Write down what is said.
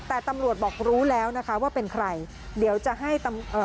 แต่ตำรวจบอกรู้แล้วนะคะว่าเป็นใครเดี๋ยวจะให้ตำเอ่อ